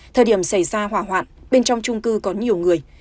thời điểm xảy ra hỏa hoạn bên trong trung cư có nhiều người